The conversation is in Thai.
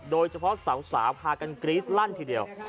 โดยเฉพาะสาวพากันกรี๊ดลั่นทีเดียว